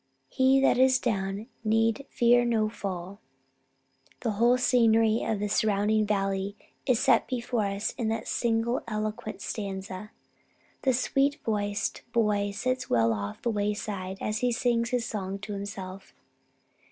He that is down, needs fear no fall. The whole scenery of the surrounding valley is set before us in that single eloquent stanza. The sweet voiced boy sits well off the wayside as he sings his song to himself.